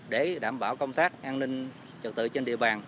để đảm bảo công tác an ninh trật tự trên địa bàn